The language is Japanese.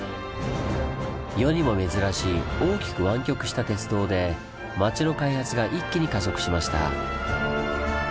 世にも珍しい大きく湾曲した鉄道で町の開発が一気に加速しました。